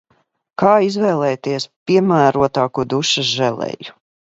Kā izvēlēties piemērotāko dušas želeju?